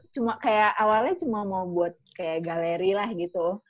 cuma kayak awalnya cuma mau buat kayak galeri lah gitu